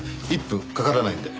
１分かからないので。